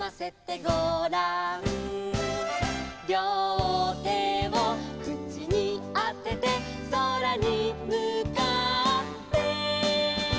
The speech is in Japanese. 「両手を口にあてて」「空にむかって」